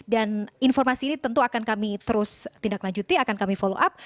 dan informasi ini tentu akan kami terus tindak lanjuti akan kami follow up